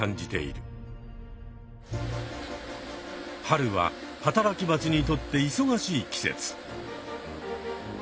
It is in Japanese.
春は働きバチにとっていそがしい季節。